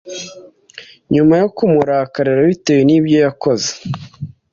nyuma yo kumurakarira bitewe nibyo yakoze